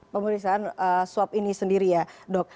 pemeriksaan swab ini sendiri ya dok